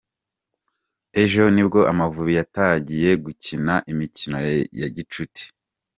ejo nibwo amavubi yatagiye gukina imikino ya gicuti